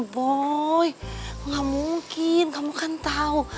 boy nggak mungkin kamu kan tahu